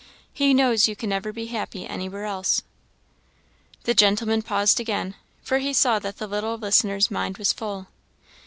He knows you can never be happy anywhere else." The gentleman paused again, for he saw that the little listener's mind was full.